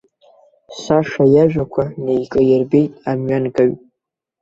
Саша иажәақәа неиҿаирбеит амҩангаҩ.